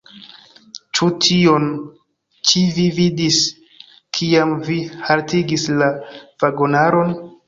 Ĉu tion ĉi vi vidis, kiam vi haltigis la vagonaron?